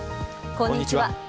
こんにちは。